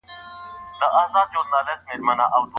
د اسنادو تر وړاندي کولو وروسته قاضي حکم کوي.